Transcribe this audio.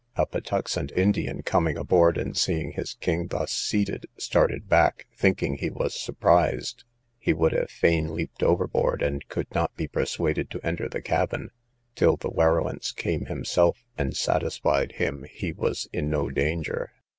A Patuxent Indian coming aboard, and seeing his king thus seated, started back; thinking he was surprised, he would have fain leaped overboard, and could not be persuaded to enter the cabin, till the Werowance came himself, and satisfied him he was in no danger.